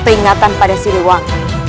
peringatan pada si luwak